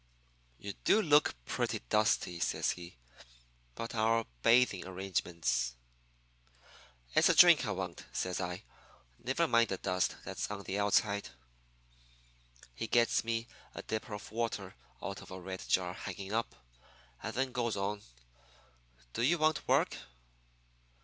"'You do look pretty dusty,' says he; 'but our bathing arrangements ' "'It's a drink I want,' says I. 'Never mind the dust that's on the outside.' "He gets me a dipper of water out of a red jar hanging up, and then goes on: "'Do you want work?'